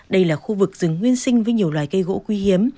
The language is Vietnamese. đây là khu vực rừng nguyên sinh với nhiều loài cây gỗ quý hiếm